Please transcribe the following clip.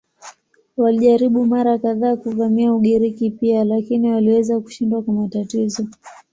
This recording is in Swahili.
Walijaribu mara kadhaa kuvamia Ugiriki pia lakini waliweza kushindwa kwa matatizo.